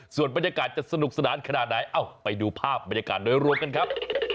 ส่วนบรรยากาศจะสนุกสนานขนาดไหนเอ้าไปดูภาพบรรยากาศโดยรวมกันครับ